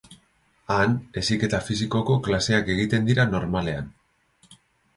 Han heziketa fisikoko klaseak egiten dira normalean.